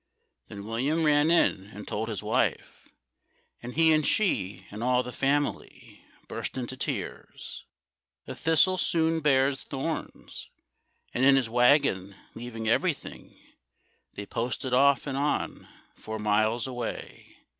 Then William ran in and told his wife, And he and she and all the family Burst into tears. The thistle soon bears thorns. And in his waggon, leaving everything, They posted off and on, four miles away.